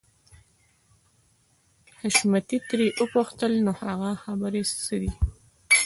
حشمتي ترې وپوښتل نو هغه خبرې څه دي.